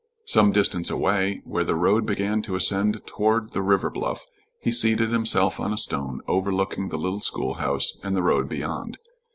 Some distance away, where the road began to ascend toward the river bluff, he seated himself on a stone overlooking the little schoolhouse and the road beyond.